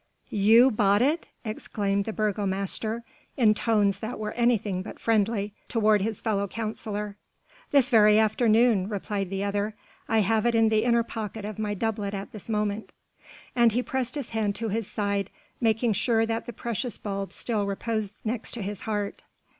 "You bought it?" exclaimed the Burgomaster in tones that were anything but friendly toward his fellow councillor. "This very afternoon," replied the other. "I have it in the inner pocket of my doublet at this moment." And he pressed his hand to his side, making sure that the precious bulb still reposed next to his heart.